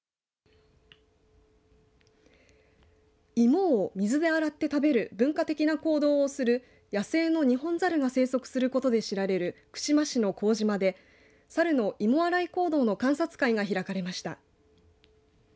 芋を水で洗って食べる文化的な行動をする野生のニホンザルが生息することで知られる串間市の幸島で猿の芋洗い行動の観察会が開かれました。